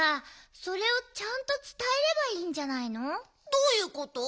どういうこと？